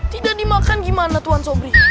tidak dimakan gimana tuan sobri